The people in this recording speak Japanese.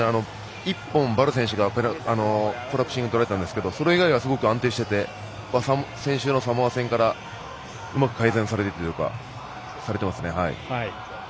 １本、ヴァル選手がとられたんですけどそれ以外は安定していて先週のサモア戦からうまく改善されてますね。